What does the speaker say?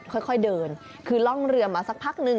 ค่อยเดินคือร่องเรือมาสักพักนึง